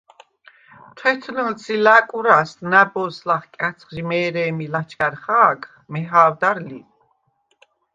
თვეთნჷლდს ი ლა̈კვრას ნა̈ბოზს ლახ კა̈ცხჟი მე̄რე̄მი ლაჩქა̈რ ხა̄გხ, მეჰა̄ვდარ ლი.